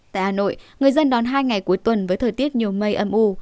tại hà nội người dân đón hai ngày cuối tuần với thời tiết nhiều mây âm u